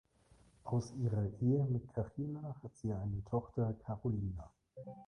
Aus ihrer Ehe mit Kachyna hat sie eine Tochter Karolina.